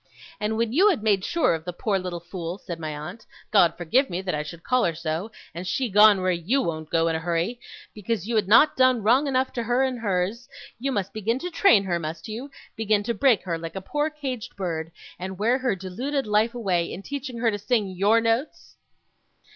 'And when you had made sure of the poor little fool,' said my aunt 'God forgive me that I should call her so, and she gone where YOU won't go in a hurry because you had not done wrong enough to her and hers, you must begin to train her, must you? begin to break her, like a poor caged bird, and wear her deluded life away, in teaching her to sing YOUR notes?